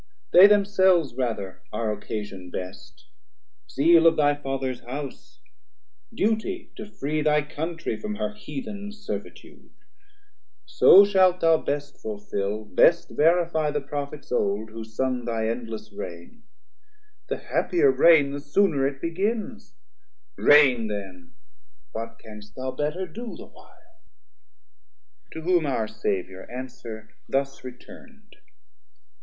They themselves rather are occasion best, Zeal of thy Fathers house, Duty to free Thy Country from her Heathen servitude; So shalt thou best fullfil, best verifie The Prophets old, who sung thy endless raign, The happier raign the sooner it begins, Raign then; what canst thou better do the while? 180 To whom our saviour answer thus return'd.